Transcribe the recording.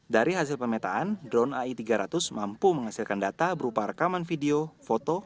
dari hasil pemetaan drone ai tiga ratus mampu menghasilkan data berupa rekaman video foto